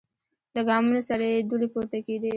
له ګامونو سره یې دوړې پورته کیدې.